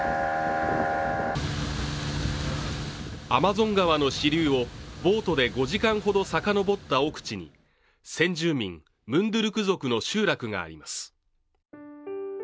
アマゾン川の支流をボートで５時間ほどさかのぼった奥地に先住民ムンドゥルク族の集落があります